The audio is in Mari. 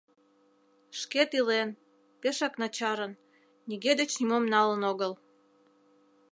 Шкет илен, пешак начарын, нигӧ деч нимом налын огыл.